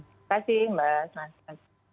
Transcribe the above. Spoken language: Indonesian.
terima kasih mbak